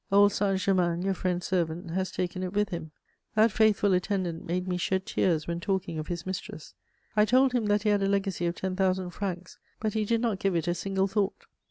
Old Saint Germain, your friend's servant, has taken it with him. That faithful attendant made me shed tears when talking of his mistress. I told him that he had a legacy of ten thousand francs; but he did not give it a single thought.